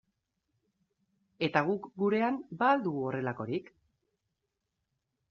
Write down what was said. Eta guk gurean ba al dugu horrelakorik?